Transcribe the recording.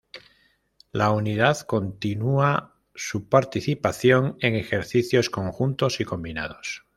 La unidad continúa su participación en ejercicios conjuntos y combinados.